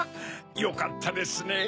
よかったですねぇ。